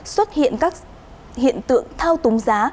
xuất hiện các hiện tượng thao túng giá